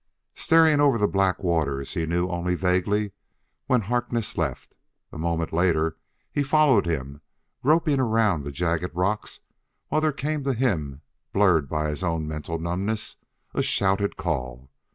Staring out over the black waters, he knew only vaguely when Harkness left; a moment later he followed him gropingly around the jagged rocks, while there came to him, blurred by his own mental numbness, a shouted call....